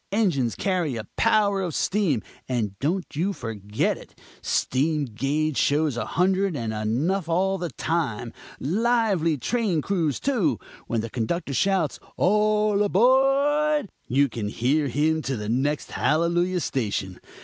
Engines carry a power of steam, and don't you forget it. Steam gauge shows a hundred and enough all the time. Lively train crews, too. When the conductor shouts 'All a b o a r d!' you can hear him to the next hallelujah station.